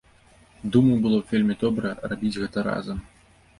Думаю, было б вельмі добра рабіць гэта разам.